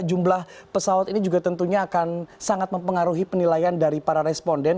jumlah pesawat ini juga tentunya akan sangat mempengaruhi penilaian dari para responden